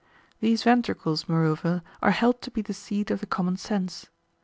These ventricles, moreover, are held to be the seat of the common sense.